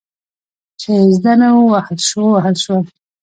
چې زده نه وو، ووهل شول.